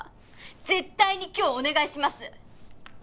絶対に今日お願いします！